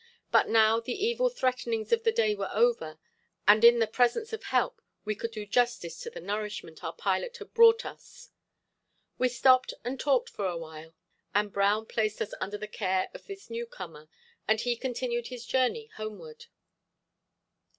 But now the evil threatenings of the day were over, and in the presence of help we could do justice to the nourishment our pilot had brought us. We stopped and talked for awhile, and Brown placed us under the care of this new comer, and he continued his journey homeward.